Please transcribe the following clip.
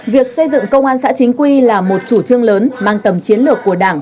việc xây dựng công an xã chính quy là một chủ trương lớn mang tầm chiến lược của đảng